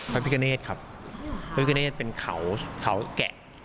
พระพิเกเนศครับพระพิเกเนศเป็นเขาแกะ